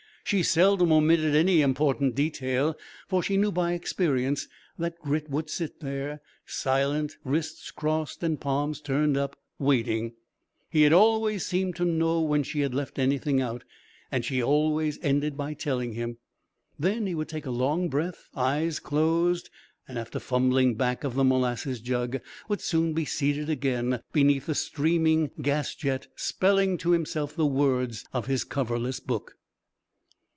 She seldom omitted any important detail, for she knew by experience that Grit would sit there, silent, wrists crossed and palms turned up, waiting. He had always seemed to know when she had left anything out, and she always ended by telling him. Then he would take a long breath, eyes closed, and, after fumbling back of the molasses jug, would soon be seated again beneath the streaming gas jet spelling to himself the words of his coverless book.